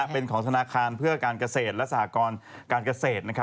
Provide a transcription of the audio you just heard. เป็นของธนาคารเพื่อการเกษตรและสหกรการเกษตร